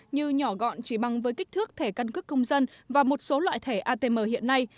như nhỏ gọn chỉ bằng với kích thước thể căn cức công dân và một số loại thể atm hiện nay